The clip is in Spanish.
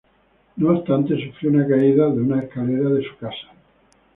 No obstante, sufrió una caída de una escalera en su casa.